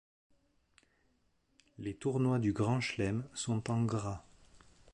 Les tournois du Grand Chelem son en gras.